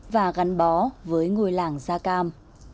và gắn bó với người làng gia cam